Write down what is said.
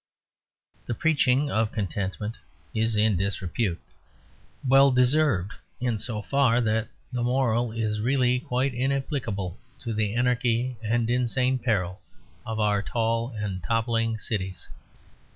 The preaching of contentment is in disrepute, well deserved in so far that the moral is really quite inapplicable to the anarchy and insane peril of our tall and toppling cities.